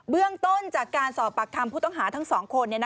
เรื่องต้นจากการสอบปากคำผู้ต้องหาทั้ง๒คน